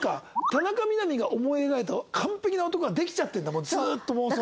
田中みな実が思い描いた完璧な男ができちゃってるんだもうずっと妄想の中で。